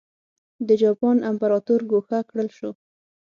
د جاپان امپراتور ګوښه کړل شو.